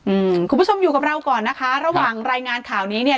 อืมคุณผู้ชมอยู่กับเราก่อนนะคะระหว่างรายงานข่าวนี้เนี่ย